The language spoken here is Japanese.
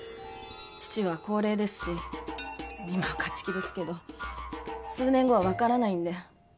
父は高齢ですし今は勝ち気ですけど数年後はわからないんで。